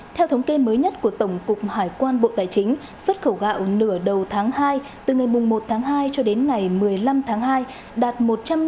theo thống kê mới nhất của tổng cục hải quan bộ tài chính xuất khẩu gạo nửa đầu tháng hai từ ngày một tháng hai cho đến ngày một mươi năm tháng hai đạt một trăm năm mươi chín trăm bốn mươi bốn tấn